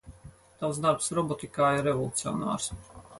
Tavs darbs robotikā ir revolucionārs.